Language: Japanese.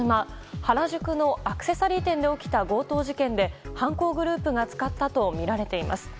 原宿のアクセサリー店で起きた強盗事件で犯行グループが使ったとみられています。